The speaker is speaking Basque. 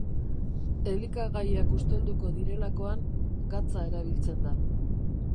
Elikagaiak ustelduko direlakoan, gatza erabiltzen da.